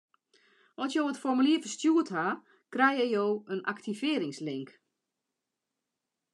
At jo it formulier ferstjoerd hawwe, krijge jo in aktivearringslink.